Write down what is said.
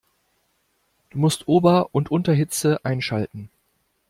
Du musst Ober- und Unterhitze einschalten.